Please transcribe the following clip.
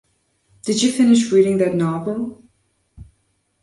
Did you finish reading that novel?